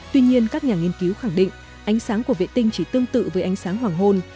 tuy nhiên các nhà nghiên cứu khẳng định ánh sáng của vệ tinh chỉ tương tự với ánh sáng hoàng hôn